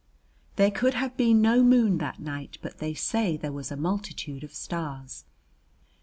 There could have been no moon that night, but they say there was a multitude of stars.